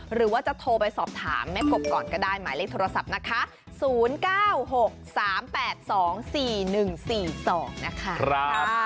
หรือว่าจะโทรไปสอบถามแม่กบก่อนก็ได้หมายเลขโทรศัพท์นะคะ๐๙๖๓๘๒๔๑๔๒นะคะ